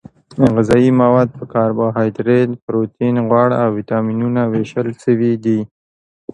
غذايي مواد په کاربوهایدریت پروټین غوړ او ویټامینونو ویشل شوي دي